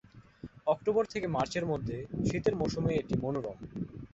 October থেকে মার্চের মধ্যে শীতের মৌসুমে এটি মনোরম।